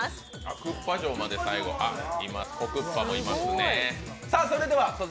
クッパ城まで最後、子クッパもいますね。